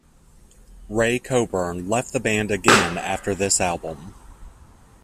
Ray Coburn left the band again after this album.